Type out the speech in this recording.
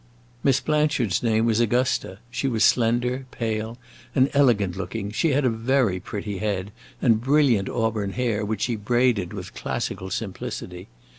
Miss Blanchard's name was Augusta; she was slender, pale, and elegant looking; she had a very pretty head and brilliant auburn hair, which she braided with classical simplicity.